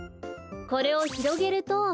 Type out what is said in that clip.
これをひろげると。